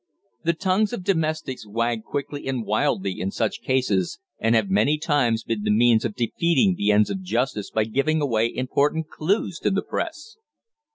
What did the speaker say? The tongues of domestics wag quickly and wildly in such cases, and have many times been the means of defeating the ends of justice by giving away important clues to the Press.